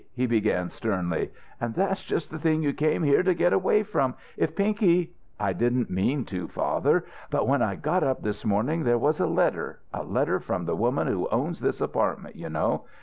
he began, sternly. "And that's just the thing you came here to get away from. If Pinky " "I didn't mean to, father. But when I got up this morning there was a letter a letter from the woman who owns this apartment, you know.